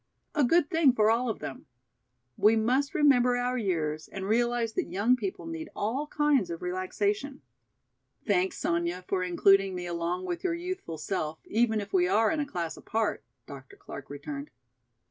A good thing for all of them! We must remember our years and realize that young people need all kinds of relaxation." "Thanks, Sonya, for including me along with your youthful self, even if we are in a class apart," Dr. Clark returned.